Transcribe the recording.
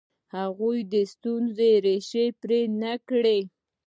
هغوی د ستونزو ریښه پرې نه کړه.